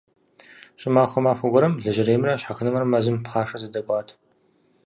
ЩӀымахуэ махуэ гуэрым лэжьэреймрэ щхьэхынэмрэ мэзым пхъашэ зэдэкӀуат.